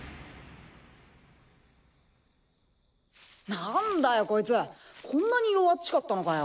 なんだよコイツこんなに弱っちかったのかよ。